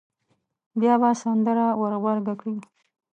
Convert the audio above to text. بیا به سندره ور غبرګه کړي.